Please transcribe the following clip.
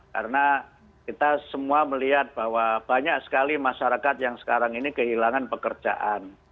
karena kita semua melihat bahwa banyak sekali masyarakat yang sekarang ini kehilangan pekerjaan